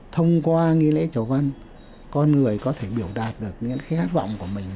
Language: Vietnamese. thông qua nghi lễ chầu văn con người có thể biểu đạt được những cái khát vọng của mình